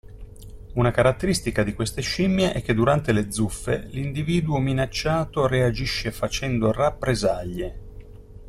Una caratteristica di queste scimmie è che durante le zuffe l'individuo minacciato reagisce facendo rappresaglie.